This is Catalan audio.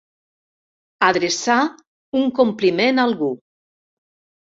Adreçar un compliment a algú.